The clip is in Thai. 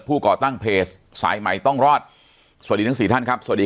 ก่อตั้งเพจสายใหม่ต้องรอดสวัสดีทั้งสี่ท่านครับสวัสดี